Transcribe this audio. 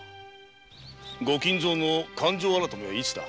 御金蔵の勘定改めはいつだ？